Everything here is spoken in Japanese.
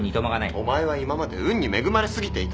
お前は今まで運に恵まれ過ぎていた。